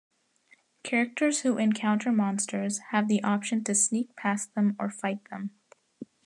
Characters who encounter monsters have the option to sneak past them or fight them.